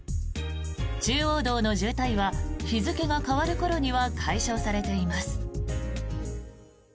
中央道の渋滞は日付が変わる頃には解消されています。